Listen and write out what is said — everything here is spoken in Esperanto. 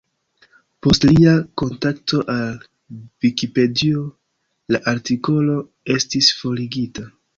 Post lia kontakto al Vikipedio, la artikolo estis forigita.